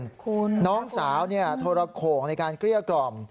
คุณน้องสาวโทรโข่งในการเกลี้ยกล่อม